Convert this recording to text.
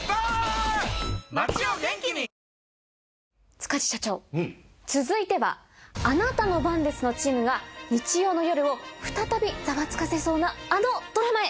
塚地社長続いては『あなたの番です』のチームが日曜の夜を再びザワつかせそうなあのドラマへ。